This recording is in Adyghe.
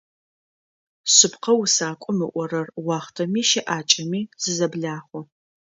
Шъыпкъэ усакӏом ыӏорэр - уахътэми щыӏакӏэми зызэблахъу.